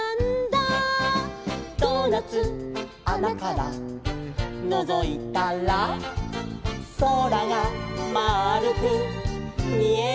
「ドーナツあなからのぞいたら」「そらがまあるくみえるんだ」